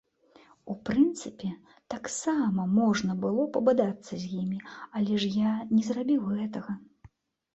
У прынцыпе, таксама можна было пабадацца з імі, але ж я не зрабіў гэтага.